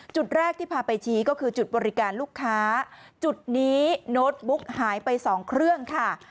จุดแรกที่พาไปชี้ก็คือจุดบริการลูกค้าจุดนี้โน้ตบุ๊กหายไปสองเครื่องค่ะ